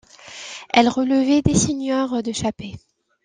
Elle relevait des seigneurs de Chappes.